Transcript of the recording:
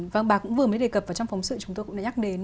vâng bà cũng vừa mới đề cập và trong phóng sự chúng tôi cũng đã nhắc đến